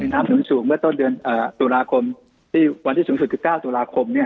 น้ำหนุนสูงเมื่อต้นเวลาตุลาคมวันที่สูงสุดคือ๙ตุลาคมเนี่ย